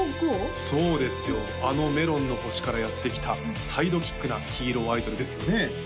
そうですよあのめろんの星からやって来たサイドキックなヒーローアイドルですよねえ